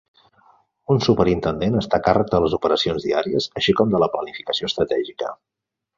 Un superintendent està a càrrec de les operacions diàries, així com de la planificació estratègica.